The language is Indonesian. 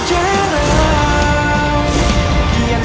terima kasih nya ih